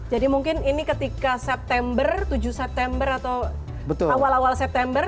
jadi mungkin ini ketika september tujuh september atau awal awal september